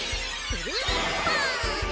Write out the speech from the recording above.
くるりんぱ。